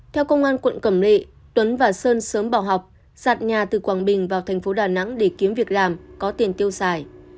theo công an quận cầm lệ tuấn và sơn sớm bỏ học giặt nhà từ quảng bình vào tp đà nẵng để kiếm việc làm có tiền tiêu xài